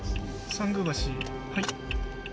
参宮橋はい。